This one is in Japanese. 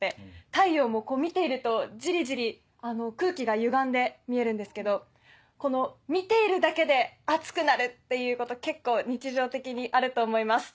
太陽も見ているとジリジリ空気が歪んで見えるんですけどこの見ているだけで暑くなるっていうこと結構日常的にあると思います。